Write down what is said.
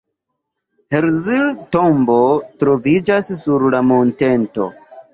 Herzl tombo troviĝas sur la monteto.